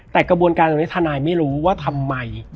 แต่กระบวนการตรงนี้ทนายไม่รู้ว่าทำไม